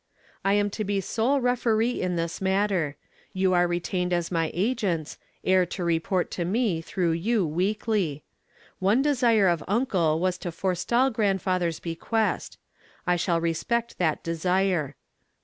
I am to be sole referee in this matter. You are retained as my agents, heir to report to me through you weekly. One desire of uncle was to forestall grandfather's bequest. I shall respect that desire.